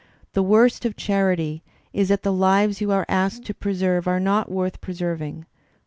The worst of charity is that the lives you are asked to preserve are not worth preserving.